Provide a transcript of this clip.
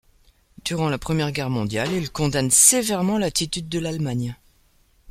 Durant la Première Guerre mondiale, il condamne sévèrement l’attitude de l’Allemagne.